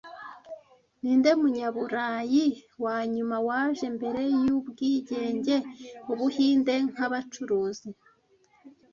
Ninde munyaburayi wanyuma waje- mbere yubwigenge Ubuhinde nkabacuruzi